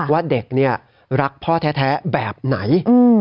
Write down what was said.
ว่าเด็กรักพ่อแท้แบบไหน